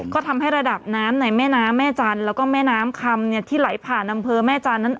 ก็ทำให้ระดับน้ำในแม่น้ำแม่จันทร์แล้วก็แม่น้ำคำเนี่ยที่ไหลผ่านอำเภอแม่จันทร์นั้น